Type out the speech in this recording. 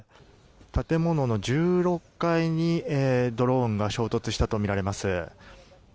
建物の１６階に、ドローンが衝突したとみられます。